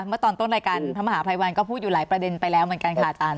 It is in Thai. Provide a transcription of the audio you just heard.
เมื่อตอนต้นรายการพระมหาภัยวันก็พูดอยู่หลายประเด็นไปแล้วเหมือนกันค่ะอาจารย